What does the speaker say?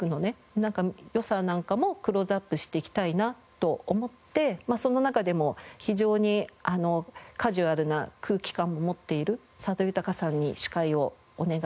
良さなんかもクローズアップしていきたいなと思ってその中でも非常にカジュアルな空気感も持っている佐渡裕さんに司会をお願いしました。